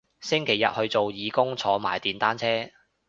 星期日去做義工坐埋電單車